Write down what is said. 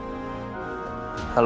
bukan dari haris